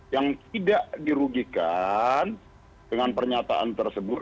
yang tidak dirugikan dengan pernyataan tersebut